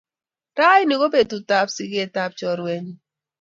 Raini ko betutab sigeet nebo chorwenyu.